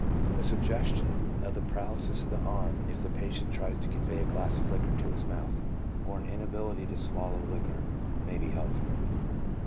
A suggestion of paralysis of the arm if the patient tries to convey a glass of liquor to his mouth, or an inability to swallow liquor, may be helpful.